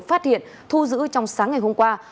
phát hiện thu giữ trong sáng ngày hôm qua